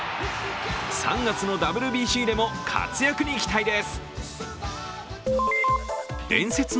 ３月のＷＢＣでも活躍に期待です。